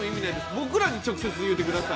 僕らに直接言うてください。